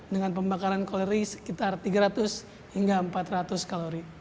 dengan pembakaran kalori sekitar tiga ratus hingga empat ratus kalori